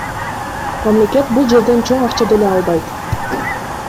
Мамлекет бул жерден чоң акча деле албайт.